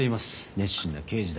熱心な刑事だ。